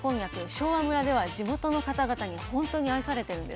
昭和村では地元の方々にほんとに愛されてるんです。